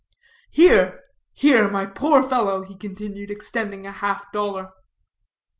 "Here, here, my poor fellow," he continued, extending a half dollar.